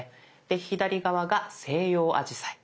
で左側が西洋アジサイ。